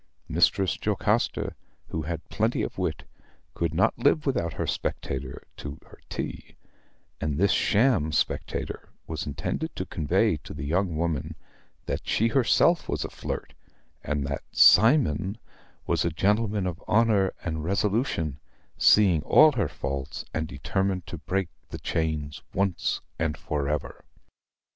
Mistress Jocasta, who had plenty of wit, could not live without her Spectator to her tea; and this sham Spectator was intended to convey to the young woman that she herself was a flirt, and that Cymon was a gentleman of honor and resolution, seeing all her faults, and determined to break the chains once and for ever.